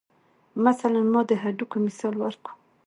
مثلاً ما د هډوکو مثال ورکو.